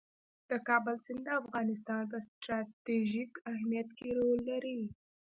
د کابل سیند د افغانستان په ستراتیژیک اهمیت کې رول لري.